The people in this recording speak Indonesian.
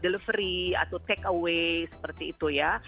delivery atau take away seperti itu ya